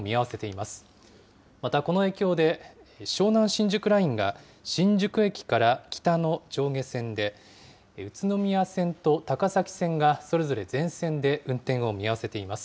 またこの影響で、湘南新宿ラインが新宿駅から北の上下線で、宇都宮線と高崎線がそれぞれ全線で運転を見合わせています。